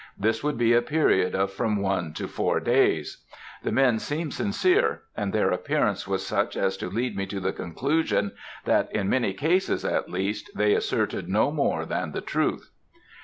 This would be a period of from one to four days. The men seemed sincere, and their appearance was such as to lead me to the conclusion that, in many cases, at least, they asserted no more than the truth.